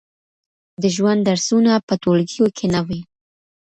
د ژوند درسونه په ټولګیو کې نه وي.